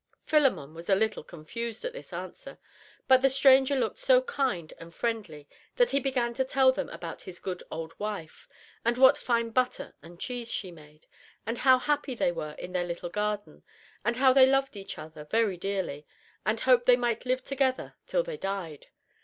Philemon was a little confused at this answer, but the stranger looked so kind and friendly that he began to tell them about his good old wife, and what fine butter and cheese she made, and how happy they were in their little garden; and how they loved each other very dearly and hoped they might live together till they died.